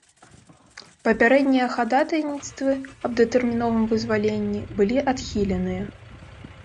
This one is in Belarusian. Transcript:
Папярэднія хадатайніцтвы аб датэрміновым вызваленні былі адхіленыя.